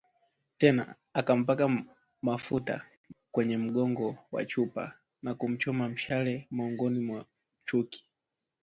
Tena, akampaka mafuta kwenye mgongo wa chupa na kumchoma mshale maungoni kwa chuki